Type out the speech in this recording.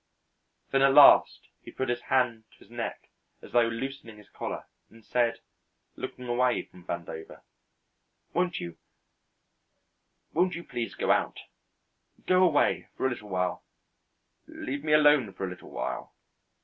Then at last he put his hand to his neck as though loosening his collar and said, looking away from Vandover: "Won't you won't you please go out go away for a little while leave me alone for a little while."